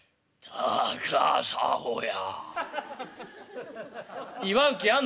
『たか』『さごや』」。